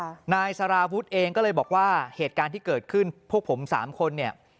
นายสารวุฒิเองก็เลยบอกว่าเหตุการณ์ที่เกิดขึ้นพวกผมสามคนเนี่ย